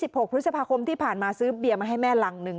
๒๖พภคมที่ผ่านมาซื้อเบียมาให้แม่หลังนึง